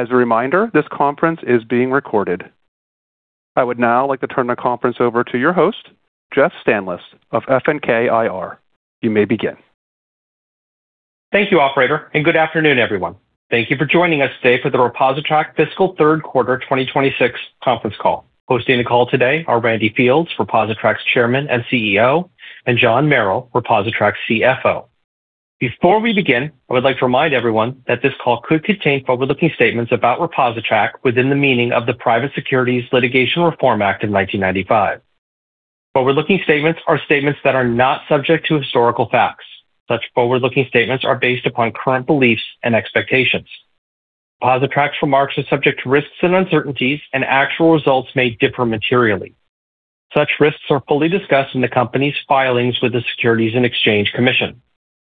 As a reminder, this conference is being recorded. I would now like to turn the conference over to your host, Jeff Stanlis of FNK IR. You may begin. Thank you, operator. Good afternoon, everyone. Thank you for joining us today for the ReposiTrak fiscal 3rd quarter 2026 conference call. Hosting the call today are Randy Fields, ReposiTrak's Chairman and CEO, and John Merrill, ReposiTrak's CFO. Before we begin, I would like to remind everyone that this call could contain forward-looking statements about ReposiTrak within the meaning of the Private Securities Litigation Reform Act of 1995. Forward-looking statements are statements that are not subject to historical facts. Such forward-looking statements are based upon current beliefs and expectations. ReposiTrak's remarks are subject to risks and uncertainties, and actual results may differ materially. Such risks are fully discussed in the company's filings with the Securities and Exchange Commission.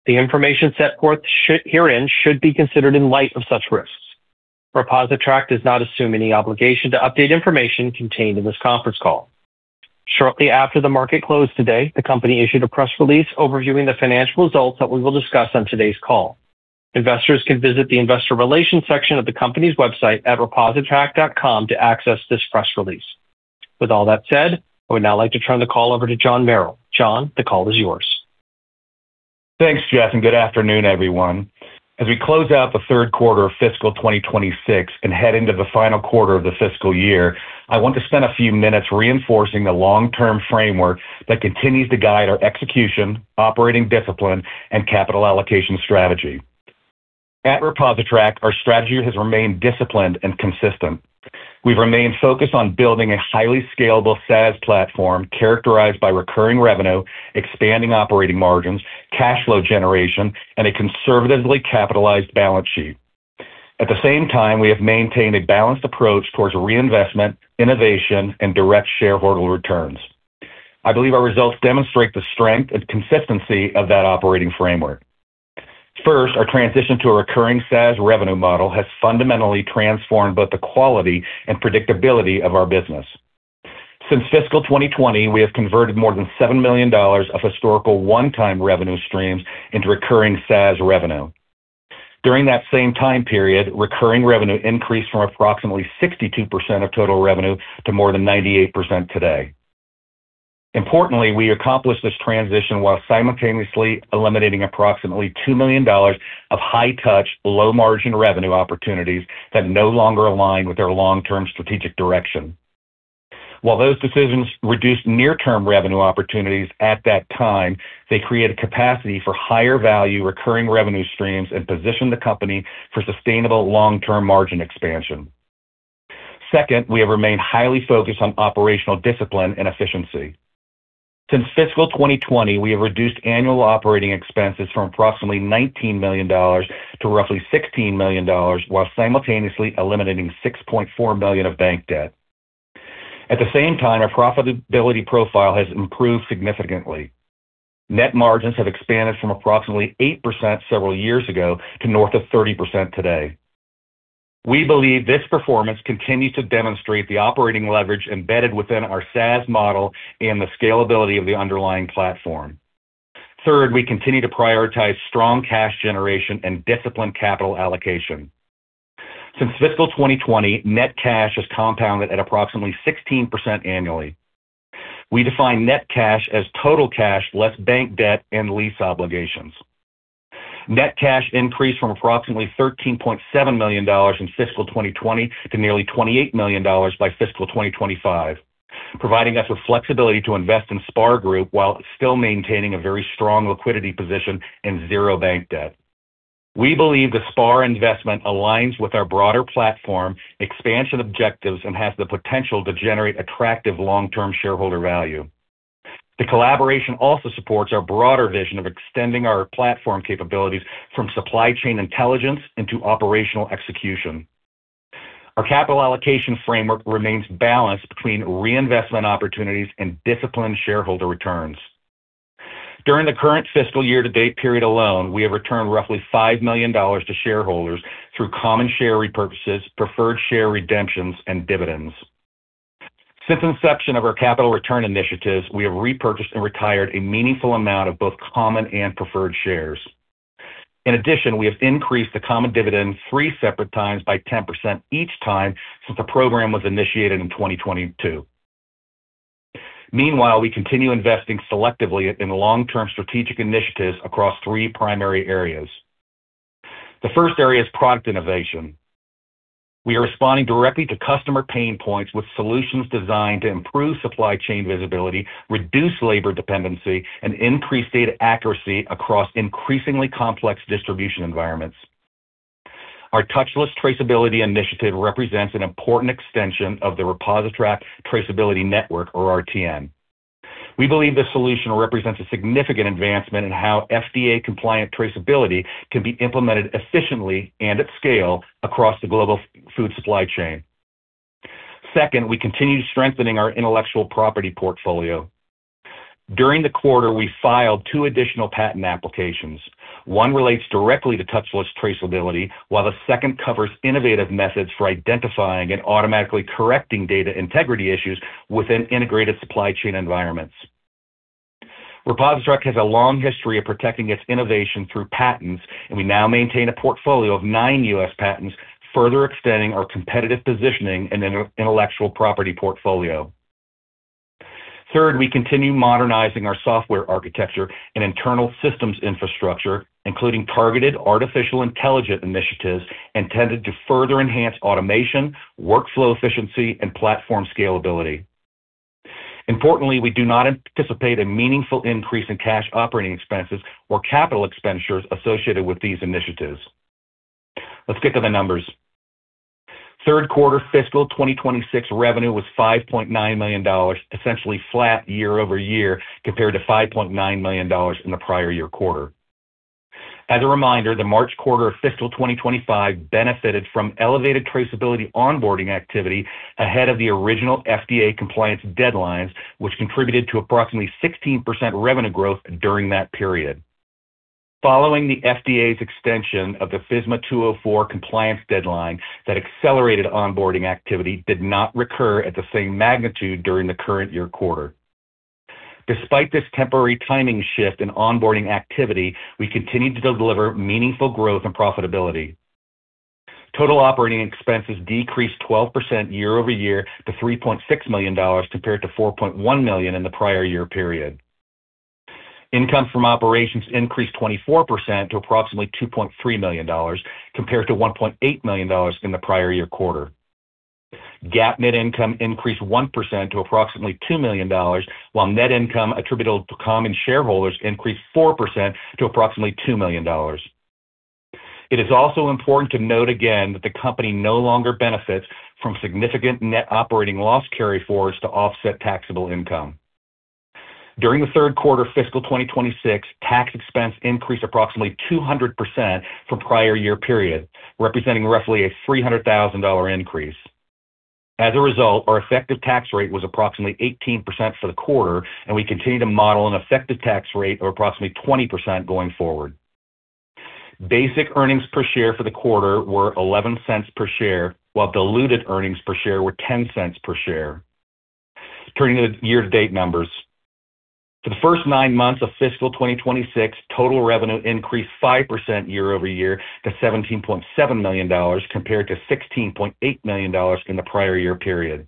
The information set forth herein should be considered in light of such risks. ReposiTrak does not assume any obligation to update information contained in this conference call. Shortly after the market closed today, the company issued a press release overviewing the financial results that we will discuss on today's call. Investors can visit the investor relations section of the company's website at repositrak.com to access this press release. With all that said, I would now like to turn the call over to John Merrill. John, the call is yours. Thanks, Jeff, and good afternoon, everyone. As we close out the third quarter of fiscal 2026 and head into the final quarter of the fiscal year, I want to spend a few minutes reinforcing the long-term framework that continues to guide our execution, operating discipline, and capital allocation strategy. At ReposiTrak, our strategy has remained disciplined and consistent. We've remained focused on building a highly scalable SaaS platform characterized by recurring revenue, expanding operating margins, cash flow generation, and a conservatively capitalized balance sheet. At the same time, we have maintained a balanced approach towards reinvestment, innovation, and direct shareholder returns. I believe our results demonstrate the strength and consistency of that operating framework. First, our transition to a recurring SaaS revenue model has fundamentally transformed both the quality and predictability of our business. Since fiscal 2020, we have converted more than $7 million of historical one-time revenue streams into recurring SaaS revenue. During that same time period, recurring revenue increased from approximately 62% of total revenue to more than 98% today. Importantly, we accomplished this transition while simultaneously eliminating approximately $2 million of high-touch, low-margin revenue opportunities that no longer align with our long-term strategic direction. While those decisions reduced near-term revenue opportunities at that time, they created capacity for higher-value recurring revenue streams and positioned the company for sustainable long-term margin expansion. Second, we have remained highly focused on operational discipline and efficiency. Since fiscal 2020, we have reduced annual operating expenses from approximately $19 million to roughly $16 million, while simultaneously eliminating $6.4 million of bank debt. At the same time, our profitability profile has improved significantly. Net margins have expanded from approximately 8% several years ago to north of 30% today. We believe this performance continues to demonstrate the operating leverage embedded within our SaaS model and the scalability of the underlying platform. Third, we continue to prioritize strong cash generation and disciplined capital allocation. Since fiscal 2020, net cash has compounded at approximately 16% annually. We define net cash as total cash less bank debt and lease obligations. Net cash increased from approximately $13.7 million in fiscal 2020 to nearly $28 million by fiscal 2025, providing us with flexibility to invest in SPAR Group while still maintaining a very strong liquidity position and zero bank debt. We believe the SPAR investment aligns with our broader platform expansion objectives and has the potential to generate attractive long-term shareholder value. The collaboration also supports our broader vision of extending our platform capabilities from supply chain intelligence into operational execution. Our capital allocation framework remains balanced between reinvestment opportunities and disciplined shareholder returns. During the current fiscal year-to-date period alone, we have returned roughly $5 million to shareholders through common share repurchases, preferred share redemptions, and dividends. Since inception of our capital return initiatives, we have repurchased and retired a meaningful amount of both common and preferred shares. In addition, we have increased the common dividend three separate times by 10% each time since the program was initiated in 2022. Meanwhile, we continue investing selectively in long-term strategic initiatives across three primary areas. The first area is product innovation. We are responding directly to customer pain points with solutions designed to improve supply chain visibility, reduce labor dependency, and increase data accuracy across increasingly complex distribution environments. Our Touchless Traceability initiative represents an important extension of the ReposiTrak Traceability Network, or RTN. We believe this solution represents a significant advancement in how FDA-compliant traceability can be implemented efficiently and at scale across the global food supply chain. Second, we continue strengthening our intellectual property portfolio. During the quarter, we filed two additional patent applications. One relates directly to Touchless Traceability, while the second covers innovative methods for identifying and automatically correcting data integrity issues within integrated supply chain environments. ReposiTrak has a long history of protecting its innovation through patents, and we now maintain a portfolio of nine U.S. patents, further extending our competitive positioning and intellectual property portfolio. Third, we continue modernizing our software architecture and internal systems infrastructure, including targeted artificial intelligence initiatives intended to further enhance automation, workflow efficiency, and platform scalability. Importantly, we do not anticipate a meaningful increase in cash operating expenses or capital expenditures associated with these initiatives. Let's get to the numbers. Third quarter fiscal 2026 revenue was $5.9 million, essentially flat year-over-year compared to $5.9 million in the prior year quarter. As a reminder, the March quarter of fiscal 2025 benefited from elevated traceability onboarding activity ahead of the original FDA compliance deadlines, which contributed to approximately 16% revenue growth during that period. Following the FDA's extension of the FSMA 204 compliance deadline, that accelerated onboarding activity did not recur at the same magnitude during the current year quarter. Despite this temporary timing shift in onboarding activity, we continued to deliver meaningful growth and profitability. Total operating expenses decreased 12% year-over-year to $3.6 million compared to $4.1 million in the prior year period. Income from operations increased 24% to approximately $2.3 million compared to $1.8 million in the prior year quarter. GAAP net income increased 1% to approximately $2 million, while net income attributable to common shareholders increased 4% to approximately $2 million. It is also important to note again that the company no longer benefits from significant net operating loss carryforwards to offset taxable income. During the third quarter fiscal 2026, tax expense increased approximately 200% from prior year period, representing roughly a $300,000 increase. As a result, our effective tax rate was approximately 18% for the quarter, and we continue to model an effective tax rate of approximately 20% going forward. Basic earnings per share for the quarter were $0.11 per share, while diluted earnings per share were $0.10 per share. Turning to the year-to-date numbers. For the first nine months of fiscal 2026, total revenue increased 5% year-over-year to $17.7 million compared to $16.8 million in the prior year period.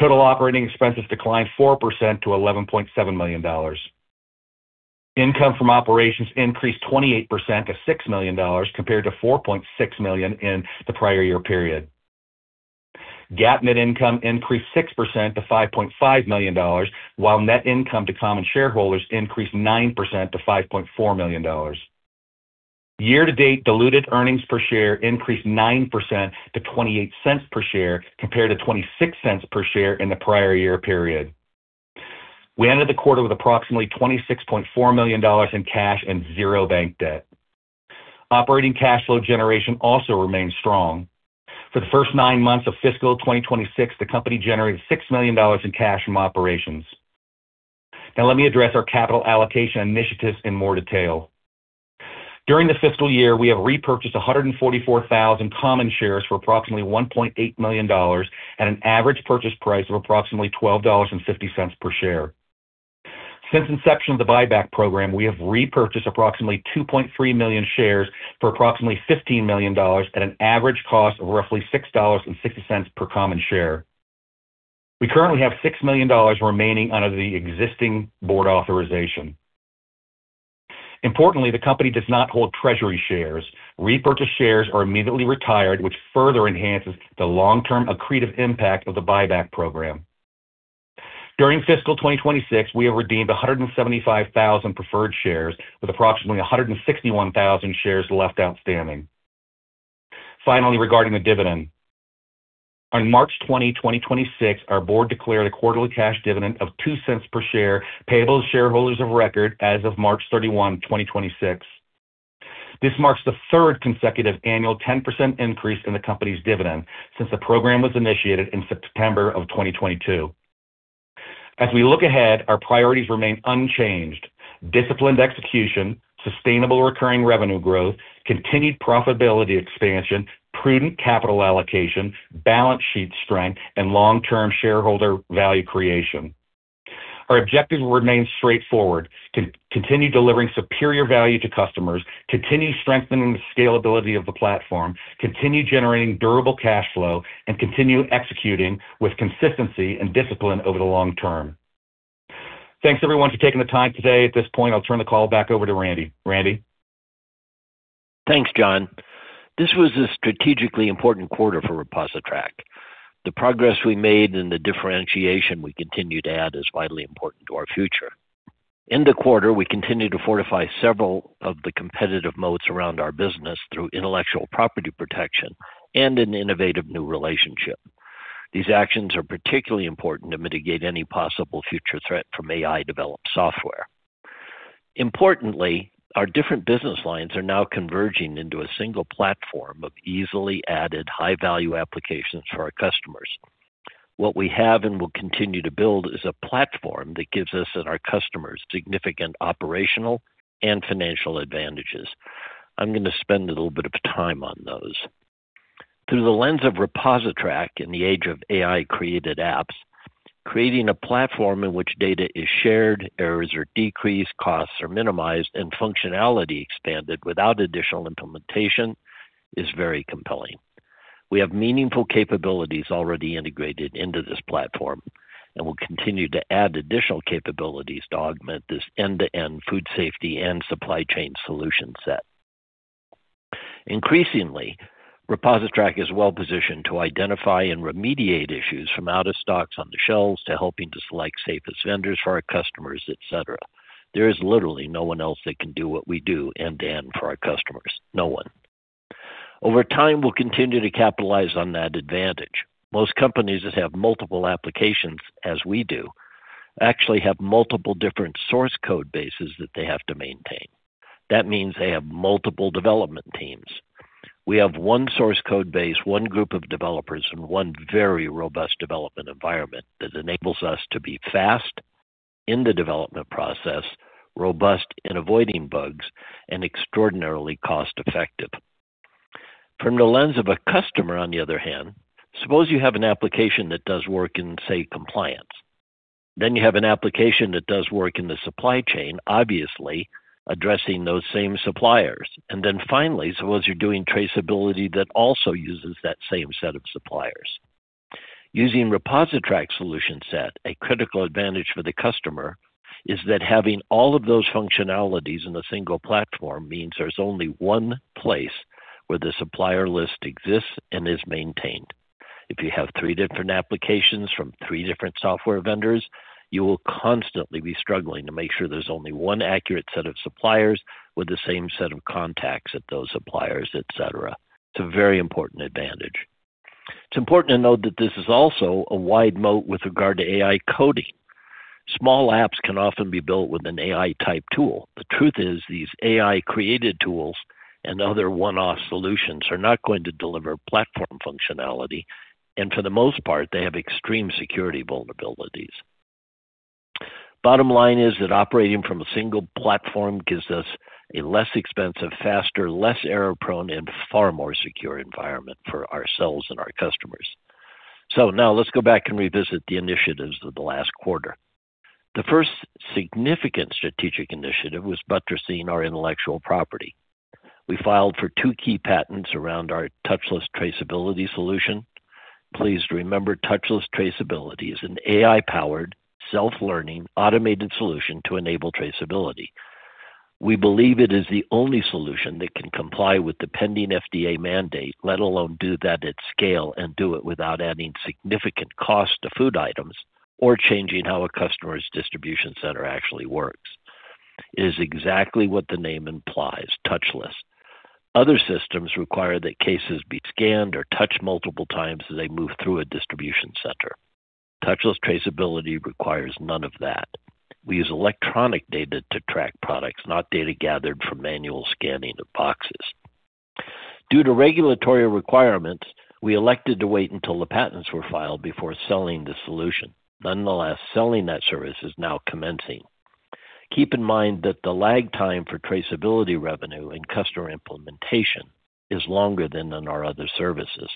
Total operating expenses declined 4% to $11.7 million. Income from operations increased 28% to $6 million compared to $4.6 million in the prior year period. GAAP net income increased 6% to $5.5 million, while net income to common shareholders increased 9% to $5.4 million. Year-to-date diluted earnings per share increased 9% to $0.28 per share compared to $0.26 per share in the prior year period. We ended the quarter with approximately $26.4 million in cash and zero bank debt. Operating cash flow generation also remains strong. For the first nine months of fiscal 2026, the company generated $6 million in cash from operations. Now let me address our capital allocation initiatives in more detail. During the fiscal year, we have repurchased 144,000 common shares for approximately $1.8 million at an average purchase price of approximately $12.50 per share. Since inception of the buyback program, we have repurchased approximately 2.3 million shares for approximately $15 million at an average cost of roughly $6.60 per common share. We currently have $6 million remaining under the existing board authorization. Importantly, the company does not hold treasury shares. Repurchased shares are immediately retired, which further enhances the long-term accretive impact of the buyback program. During fiscal 2026, we have redeemed 175,000 preferred shares with approximately 161,000 shares left outstanding. Finally, regarding the dividend. On March 20, 2026, our board declared a quarterly cash dividend of $0.02 per share payable to shareholders of record as of March 31, 2026. This marks the third consecutive annual 10% increase in the company's dividend since the program was initiated in September of 2022. As we look ahead, our priorities remain unchanged. Disciplined execution, sustainable recurring revenue growth, continued profitability expansion, prudent capital allocation, balance sheet strength, and long-term shareholder value creation. Our objectives remain straightforward. Continue delivering superior value to customers, continue strengthening the scalability of the platform, continue generating durable cash flow, and continue executing with consistency and discipline over the long term. Thanks, everyone, for taking the time today. At this point, I'll turn the call back over to Randy. Randy? Thanks, John. This was a strategically important quarter for ReposiTrak. The progress we made and the differentiation we continue to add is vitally important to our future. In the quarter, we continued to fortify several of the competitive moats around our business through intellectual property protection and an innovative new relationship. These actions are particularly important to mitigate any possible future threat from AI-developed software. Importantly, our different business lines are now converging into a single platform of easily added high-value applications for our customers. What we have and will continue to build is a platform that gives us and our customers significant operational and financial advantages. I'm gonna spend a little bit of time on those. Through the lens of ReposiTrak in the age of AI-created apps, creating a platform in which data is shared, errors are decreased, costs are minimized, and functionality expanded without additional implementation is very compelling. We have meaningful capabilities already integrated into this platform, and we'll continue to add additional capabilities to augment this end-to-end food safety and supply chain solution set. Increasingly, ReposiTrak is well-positioned to identify and remediate issues from out-of-stocks on the shelves to helping to select safest vendors for our customers, et cetera. There is literally no one else that can do what we do end-to-end for our customers. No one. Over time, we'll continue to capitalize on that advantage. Most companies that have multiple applications, as we do, actually have multiple different source code bases that they have to maintain. That means they have multiple development teams. We have one source code base, one group of developers, and one very robust development environment that enables us to be fast in the development process, robust in avoiding bugs, and extraordinarily cost-effective. From the lens of a customer, on the other hand, suppose you have an application that does work in, say, compliance. You have an application that does work in the supply chain, obviously addressing those same suppliers. Finally, suppose you're doing traceability that also uses that same set of suppliers. Using ReposiTrak solution set, a critical advantage for the customer is that having all of those functionalities in a single platform means there's only one place where the supplier list exists and is maintained. If you have three different applications from three different software vendors, you will constantly be struggling to make sure there's only one accurate set of suppliers with the same set of contacts at those suppliers, et cetera. It's a very important advantage. It's important to note that this is also a wide moat with regard to AI coding. Small apps can often be built with an AI-type tool. The truth is these AI-created tools and other one-off solutions are not going to deliver platform functionality, and for the most part, they have extreme security vulnerabilities. Bottom line is that operating from a single platform gives us a less expensive, faster, less error-prone, and far more secure environment for ourselves and our customers. Now let's go back and revisit the initiatives of the last quarter. The first significant strategic initiative was buttressing our intellectual property. We filed for two key patents around our Touchless Traceability solution. Please remember Touchless Traceability is an AI-powered, self-learning, automated solution to enable traceability. We believe it is the only solution that can comply with the pending FDA mandate, let alone do that at scale and do it without adding significant cost to food items or changing how a customer's distribution center actually works. It is exactly what the name implies, touchless. Other systems require that cases be scanned or touched multiple times as they move through a distribution center. Touchless Traceability requires none of that. We use electronic data to track products, not data gathered from manual scanning of boxes. Due to regulatory requirements, we elected to wait until the patents were filed before selling the solution. Nonetheless, selling that service is now commencing. Keep in mind that the lag time for traceability revenue and customer implementation is longer than in our other services.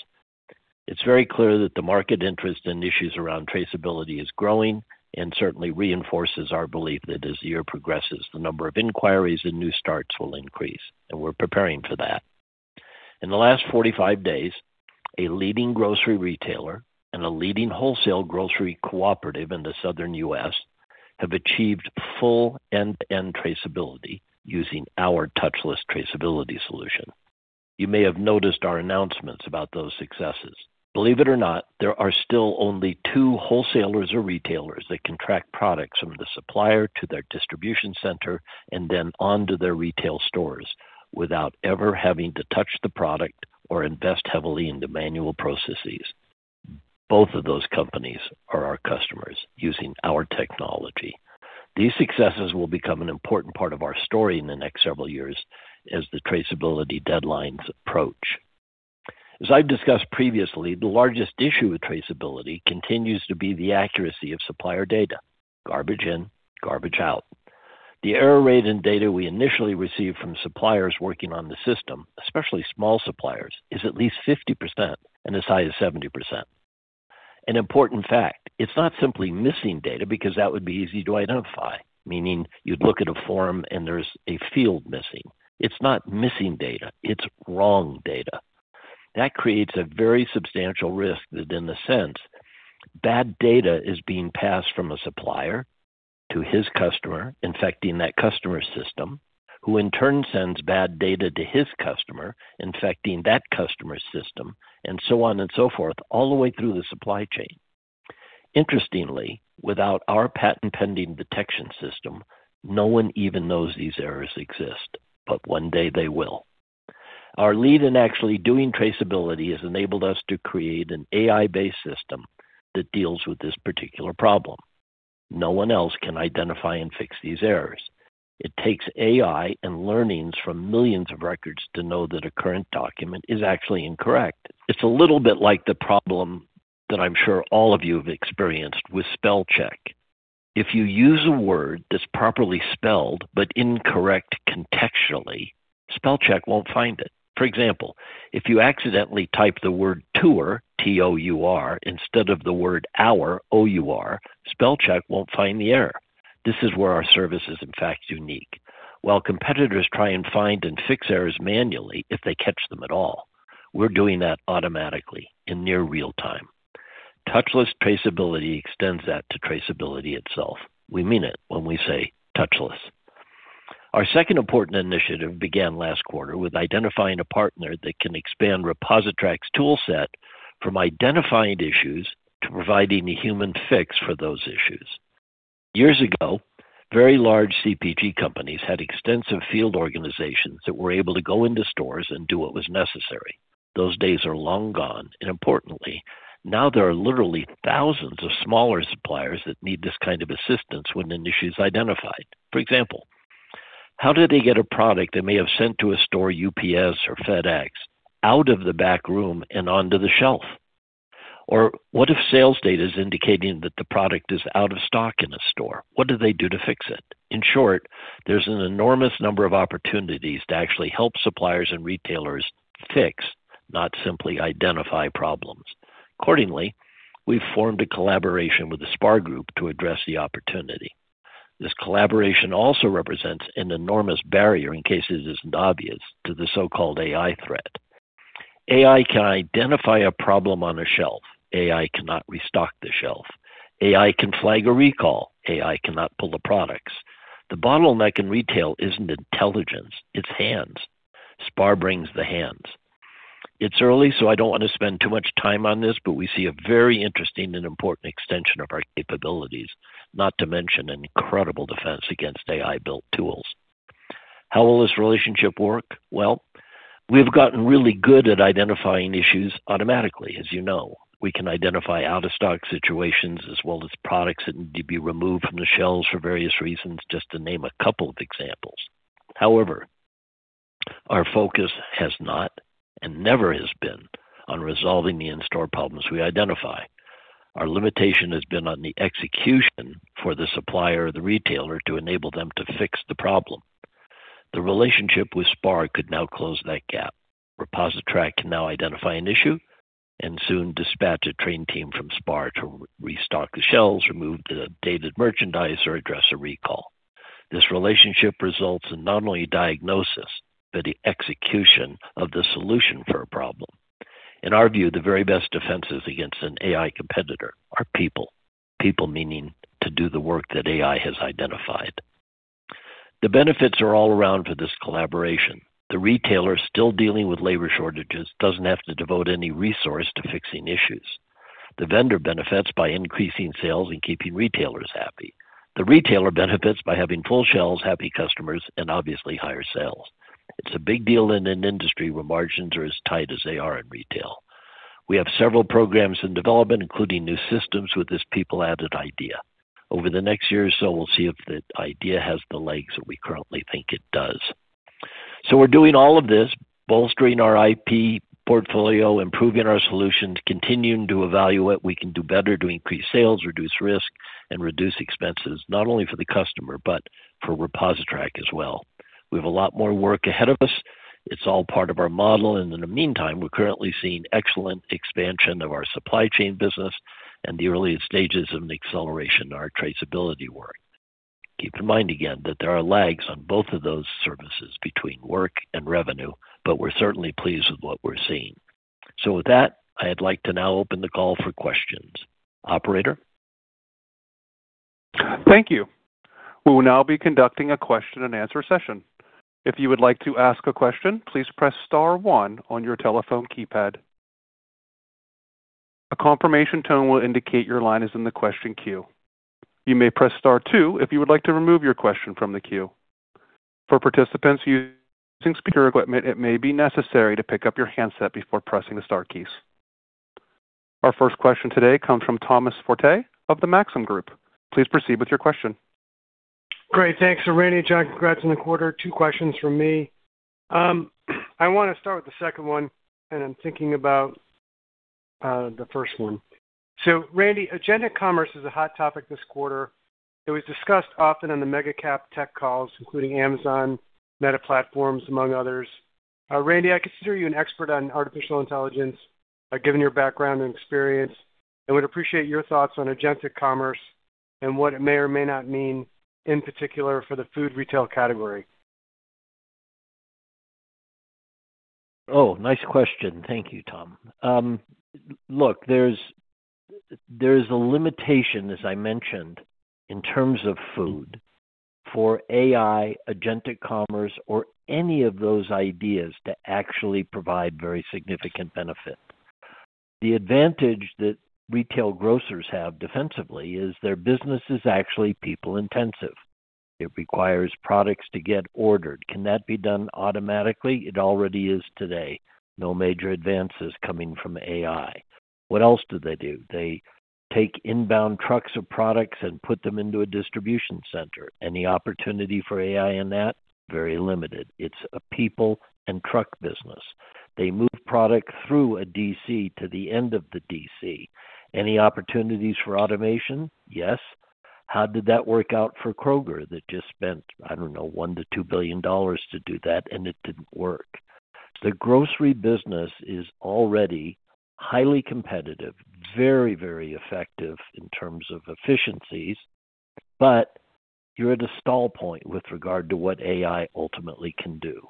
It's very clear that the market interest in issues around traceability is growing and certainly reinforces our belief that as the year progresses, the number of inquiries and new starts will increase, and we're preparing for that. In the last 45 days, a leading grocery retailer and a leading wholesale grocery cooperative in the southern U.S. have achieved full end-to-end traceability using our Touchless Traceability solution. You may have noticed our announcements about those successes. Believe it or not, there are still only two wholesalers or retailers that can track products from the supplier to their distribution center and then on to their retail stores without ever having to touch the product or invest heavily into manual processes. Both of those companies are our customers using our technology. These successes will become an important part of our story in the next several years as the traceability deadlines approach. As I've discussed previously, the largest issue with traceability continues to be the accuracy of supplier data. Garbage in, garbage out. The error rate in data we initially receive from suppliers working on the system, especially small suppliers, is at least 50% and as high as 70%. An important fact, it's not simply missing data because that would be easy to identify, meaning you'd look at a form and there's a field missing. It's not missing data. It's wrong data. That creates a very substantial risk that in the sense bad data is being passed from a supplier to his customer, infecting that customer's system, who in turn sends bad data to his customer, infecting that customer's system, and so on and so forth all the way through the supply chain. Interestingly, without our patent-pending detection system, no one even knows these errors exist, but one day they will. Our lead in actually doing traceability has enabled us to create an AI-based system that deals with this particular problem. No one else can identify and fix these errors. It takes AI and learnings from millions of records to know that a current document is actually incorrect. It's a little bit like the problem that I'm sure all of you have experienced with spell check. If you use a word that's properly spelled but incorrect contextually, spell check won't find it. For example, if you accidentally type the word tour, T-O-U-R, instead of the word our, O-U-R, spell check won't find the error. This is where our service is in fact unique. While competitors try and find and fix errors manually, if they catch them at all, we're doing that automatically in near real-time. Touchless Traceability extends that to traceability itself. We mean it when we say touchless. Our second important initiative began last quarter with identifying a partner that can expand ReposiTrak's toolset from identifying issues to providing a human fix for those issues. Years ago, very large CPG companies had extensive field organizations that were able to go into stores and do what was necessary. Those days are long gone. Importantly, now there are literally thousands of smaller suppliers that need this kind of assistance when an issue is identified. For example, how do they get a product they may have sent to a store UPS or FedEx out of the back room and onto the shelf? What if sales data is indicating that the product is out of stock in a store? What do they do to fix it? In short, there's an enormous number of opportunities to actually help suppliers and retailers fix, not simply identify problems. Accordingly, we've formed a collaboration with SPAR Group to address the opportunity. This collaboration also represents an enormous barrier, in case it isn't obvious, to the so-called AI threat. AI can identify a problem on a shelf. AI cannot restock the shelf. AI can flag a recall. AI cannot pull the products. The bottleneck in retail isn't intelligence, it's hands. SPAR brings the hands. It's early, so I don't want to spend too much time on this, but we see a very interesting and important extension of our capabilities, not to mention an incredible defense against AI-built tools. How will this relationship work? Well, we've gotten really good at identifying issues automatically, as you know. We can identify out-of-stock situations as well as products that need to be removed from the shelves for various reasons, just to name a couple of examples. However, our focus has not and never has been on resolving the in-store problems we identify. Our limitation has been on the execution for the supplier or the retailer to enable them to fix the problem. The relationship with Spar could now close that gap. ReposiTrak can now identify an issue and soon dispatch a trained team from SPAR to restock the shelves, remove the dated merchandise, or address a recall. This relationship results in not only diagnosis, but the execution of the solution for a problem. In our view, the very best defenses against an AI competitor are people. People meaning to do the work that AI has identified. The benefits are all around for this collaboration. The retailer still dealing with labor shortages doesn't have to devote any resource to fixing issues. The vendor benefits by increasing sales and keeping retailers happy. The retailer benefits by having full shelves, happy customers, and obviously higher sales. It's a big deal in an industry where margins are as tight as they are in retail. We have several programs in development, including new systems with this people-added idea. Over the next year or so, we'll see if the idea has the legs that we currently think it does. We're doing all of this, bolstering our IP portfolio, improving our solutions, continuing to evaluate what we can do better to increase sales, reduce risk, and reduce expenses, not only for the customer, but for ReposiTrak as well. We have a lot more work ahead of us. It's all part of our model, and in the meantime, we're currently seeing excellent expansion of our supply chain business and the earliest stages of an acceleration in our traceability work. Keep in mind again that there are lags on both of those services between work and revenue, but we're certainly pleased with what we're seeing. With that, I'd like to now open the call for questions. Operator? Thank you. We will now be conducting a question and answer session. If you would like to ask a question, please press star one on your telephone keypad. A confirmation tone will indicate your line is in the question queue. You may press star two if you would like to remove your question from the queue. For participants using speaker equipment, it may be necessary to pick up your handset before pressing the star keys. Our first question today comes from Thomas Forte of the Maxim Group. Please proceed with your question. Great. Thanks, Randy, John. Congrats on the quarter. Two questions from me. I wanna start with the second one, and I'm thinking about the first one. Randy, agentic commerce is a hot topic this quarter. It was discussed often on the Mega Cap tech calls, including Amazon, Meta Platforms, among others. Randy, I consider you an expert on artificial intelligence given your background and experience, and would appreciate your thoughts on agentic commerce and what it may or may not mean in particular for the food retail category. Oh, nice question. Thank you, Tom. Look, there's a limitation, as I mentioned, in terms of food for AI, agentic commerce, or any of those ideas to actually provide very significant benefit. The advantage that retail grocers have defensively is their business is actually people-intensive. It requires products to get ordered. Can that be done automatically? It already is today. No major advances coming from AI. What else do they do? They take inbound trucks of products and put them into a distribution center. Any opportunity for AI in that? Very limited. It's a people and truck business. They move product through a DC to the end of the DC. Any opportunities for automation? Yes. How did that work out for Kroger that just spent, I don't know, $1 billion-$2 billion to do that and it didn't work? The grocery business is already highly competitive, very, very effective in terms of efficiencies, but you're at a stall point with regard to what AI ultimately can do.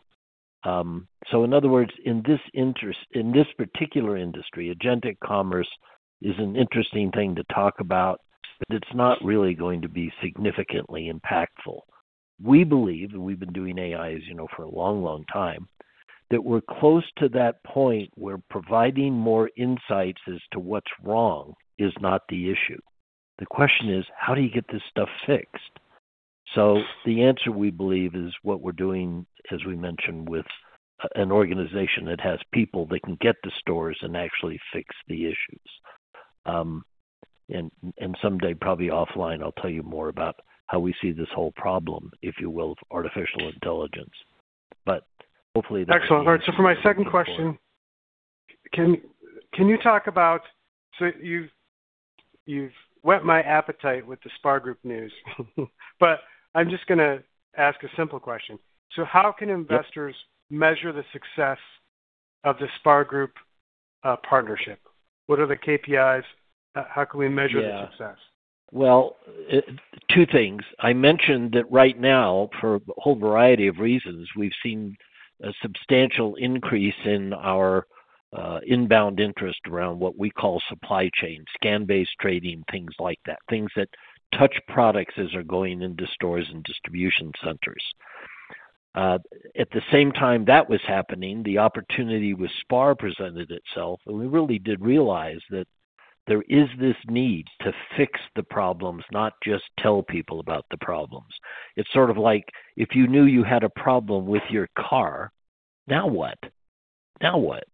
In other words, in this particular industry, agentic commerce is an interesting thing to talk about, but it's not really going to be significantly impactful. We believe, and we've been doing AI, as you know, for a long, long time, that we're close to that point where providing more insights as to what's wrong is not the issue. The question is, how do you get this stuff fixed? The answer, we believe, is what we're doing, as we mentioned, with an organization that has people that can get to stores and actually fix the issues. Someday, probably offline, I'll tell you more about how we see this whole problem, if you will, of artificial intelligence. Excellent. All right. For my second question, can you talk about you've whet my appetite with the SPAR Group news, I'm just gonna ask a simple question. How can investors measure the success of the SPAR Group partnership? What are the KPIs? How can we measure the success? Yeah. two things. I mentioned that right now, for a whole variety of reasons, we've seen a substantial increase in our inbound interest around what we call supply chain, scan-based trading, things like that, things that touch products as they're going into stores and distribution centers. At the same time that was happening, the opportunity with SPAR presented itself, and we really did realize that there is this need to fix the problems, not just tell people about the problems. It's sort of like if you knew you had a problem with your car, now what? Now what?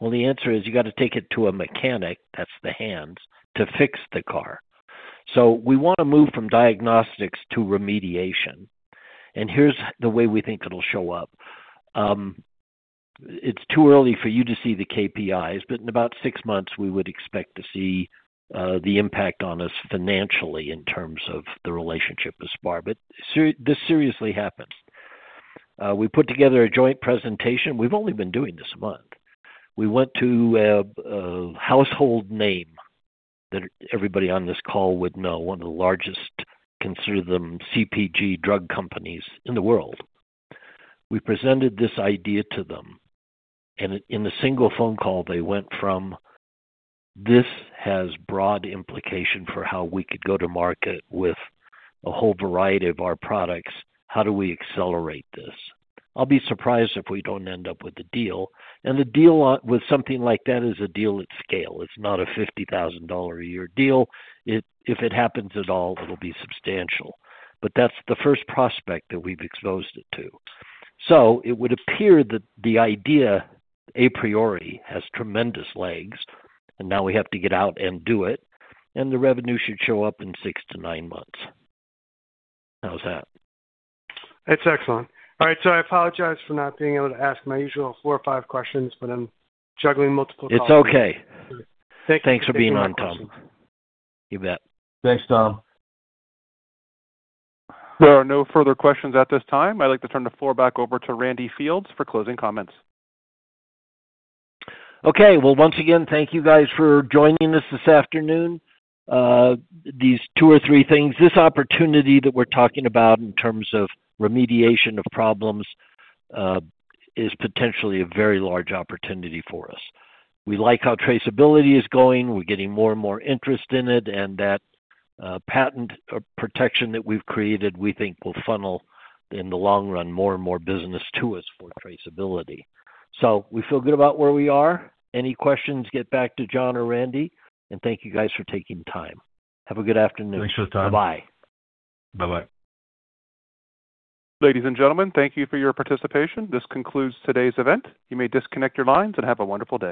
The answer is you gotta take it to a mechanic, that's the hands, to fix the car. We wanna move from diagnostics to remediation, and here's the way we think it'll show up. It's too early for you to see the KPIs, but in about six months, we would expect to see the impact on us financially in terms of the relationship with SPAR. This seriously happens. We put together a joint presentation. We've only been doing this a month. We went to a household name that everybody on this call would know, one of the largest, consider them CPG drug companies in the world. We presented this idea to them, in a single phone call, they went from, "This has broad implication for how we could go to market with a whole variety of our products. How do we accelerate this?" I'll be surprised if we don't end up with a deal. The deal with something like that is a deal at scale. It's not a $50,000-a-year deal. If it happens at all, it'll be substantial. That's the first prospect that we've exposed it to. It would appear that the idea a priori has tremendous legs, and now we have to get out and do it, and the revenue should show up in six to nine months. How's that? That's excellent. All right, I apologize for not being able to ask my usual four or five questions, but I'm juggling multiple calls. It's okay. Thank you for taking my questions. Thanks for being on, Tom. You bet. Thanks, Tom. There are no further questions at this time. I'd like to turn the floor back over to Randy Fields for closing comments. Okay. Well, once again, thank you guys for joining us this afternoon. These two or three things, this opportunity that we're talking about in terms of remediation of problems, is potentially a very large opportunity for us. We like how traceability is going. We're getting more and more interest in it, and that patent protection that we've created, we think will funnel, in the long run, more and more business to us for traceability. We feel good about where we are. Any questions, get back to John or Randy. Thank you guys for taking the time. Have a good afternoon. Thanks for the time. Bye. Bye-bye. Ladies and gentlemen, thank you for your participation. This concludes today's event. You may disconnect your lines and have a wonderful day.